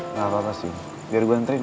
nggak apa apa sih biar gue nganterin